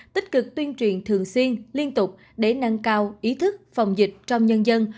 tích cực tuyên truyền thường xuyên liên tục để nâng cao ý thức phòng dịch trong nhân dân